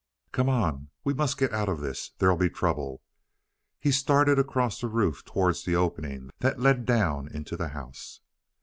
"Come on. We must get out of this. There'll be trouble." He started across the roof towards the opening that led down into the house.